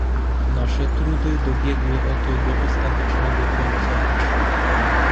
"Nasze trudy dobiegły oto do ostatecznego końca."